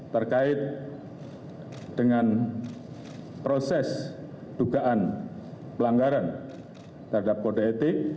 terkait dengan proses dugaan pelanggaran terhadap kode etik